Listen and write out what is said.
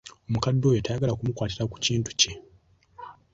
Omukadde oyo tayagala kumukwatira ku kintu kye.